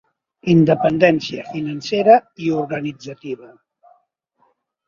Independència financera i organitzativa.